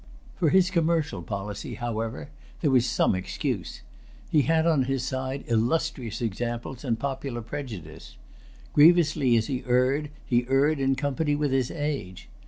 For his commercial policy, however, there was some excuse. He had on his side illustrious examples and popular prejudice. Grievously as he erred, he erred in company with his age.